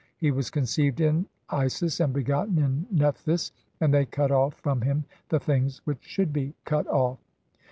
He was conceived in Isis and begotten "(i36) in Nephthys ; and they cut off from him the things which "should be cut off."